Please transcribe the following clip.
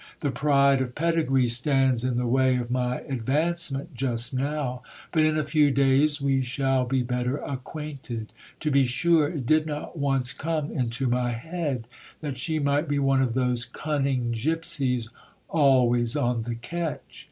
The pride of pedigree stands in the way of my advancement just now, but in a few days we shall be better acquainted. To be sure, it did not once come into my head that she might be one of those cunning gipsies always on the catch.